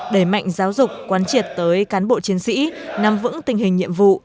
đẩy mạnh giáo dục quan triệt tới cán bộ chiến sĩ nắm vững tình hình nhiệm vụ